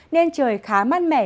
nên trời khá mát mẻ